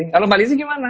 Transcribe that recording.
kalau mbak lizzy gimana